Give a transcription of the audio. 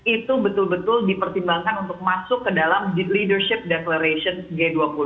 itu betul betul dipertimbangkan untuk masuk ke dalam leadership declaration g dua puluh